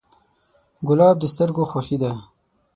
ګلاب د سترګو خوښي ده.